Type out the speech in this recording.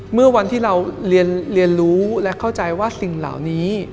เมื่อวันที่เราเรียนรู้และเข้าใจว่าสิ่งเหล่านี้